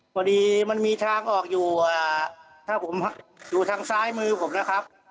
พอดีมันมีทางออกอยู่ถ้าผมอยู่ทางซ้ายมือผมนะครับ